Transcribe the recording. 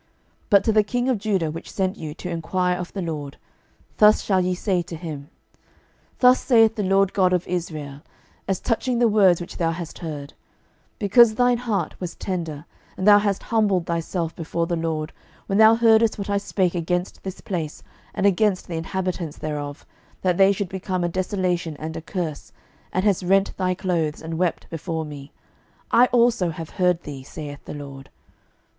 12:022:018 But to the king of Judah which sent you to enquire of the LORD, thus shall ye say to him, Thus saith the LORD God of Israel, As touching the words which thou hast heard; 12:022:019 Because thine heart was tender, and thou hast humbled thyself before the LORD, when thou heardest what I spake against this place, and against the inhabitants thereof, that they should become a desolation and a curse, and hast rent thy clothes, and wept before me; I also have heard thee, saith the LORD.